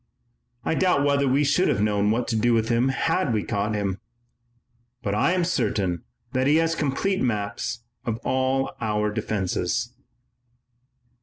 I doubt whether we should have known what to do with him had we caught him, but I am certain that he has complete maps of all our defenses."